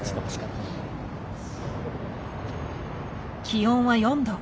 気温は４度。